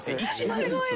１枚ずつ？